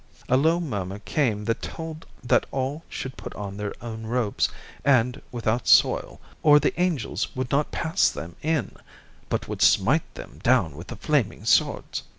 A low murmur came that told that all should put on their own robes, and without soil, or the angels would not pass them in, but would smite them down with the flaming swords.